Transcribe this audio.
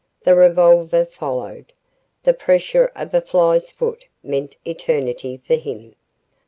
The revolver followed. The pressure of a fly's foot meant eternity for him.